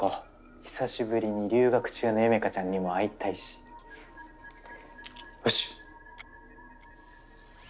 久しぶりに留学中のユメカちゃんにも会いたいしよしっ！